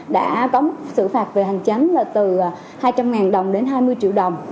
đã có sự phạt về hành chánh là từ hai trăm linh đồng đến hai mươi triệu đồng